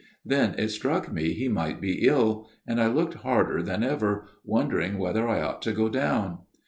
" Then it struck me he might be ill ; and I looked harder than ever, wondering whether I ought to go down.